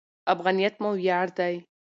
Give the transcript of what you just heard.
افغانیت مو ویاړ دی.